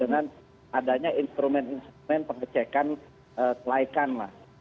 dengan adanya instrumen instrumen pengecekan kelaikan lah